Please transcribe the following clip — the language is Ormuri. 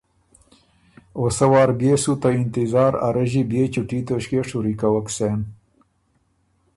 او سۀ وار بيې سُو ته انتظار ا رݫی بيې چوټي توݭکيې شُوري کوک سېن۔